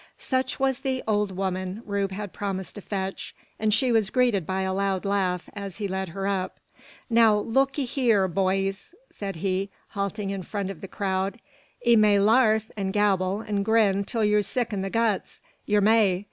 Such was the "old 'oman" Rube had promised to fetch; and she was greeted by a loud laugh as he led her up. "Now, look'ee hyur, boyees," said he, halting in front of the crowd. "Ee may larf, an' gabble, an' grin till yur sick in the guts yur may!